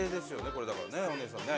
これだからねお姉さんね。